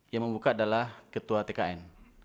yang membuka adalah ketua tkn